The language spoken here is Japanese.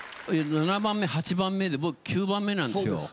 ７番目８番目で僕９番目なんですよ。